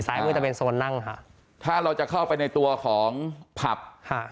มือจะเป็นโซนนั่งค่ะถ้าเราจะเข้าไปในตัวของผับค่ะ